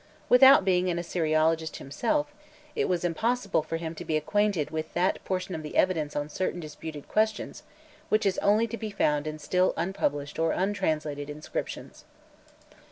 Without being an Assyriologist himself, it was impossible for him to be acquainted with that portion of the evidence on certain disputed questions which is only to be found in still unpublished or untranslated inscriptions.